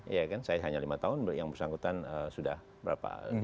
iya kan saya hanya lima tahun yang bersangkutan sudah berapa